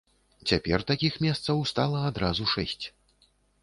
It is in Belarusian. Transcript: Цяпер такіх месцаў стала адразу шэсць.